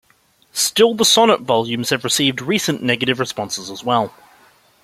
Still the sonnet volumes have received recent negative responses as well.